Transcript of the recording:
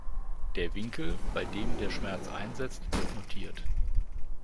Der Winkel, bei dem der Schmerz einsetzt, wird notiert.